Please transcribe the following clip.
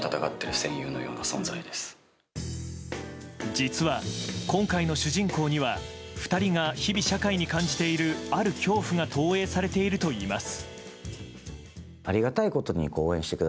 実は、今回の主人公には２人が日々、社会に感じているある恐怖が投影されているといいます。